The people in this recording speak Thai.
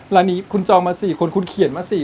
ร้านนี้คุณจองมา๔คนคุณเขียนมา๔